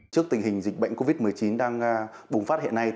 trước tình hình dịch bệnh covid một mươi chín đang bùng phát hiện nay